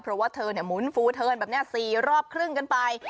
เพราะว่าเธอหมุนฟูเทิร์นแบบนี้๔รอบครึ่งกันไป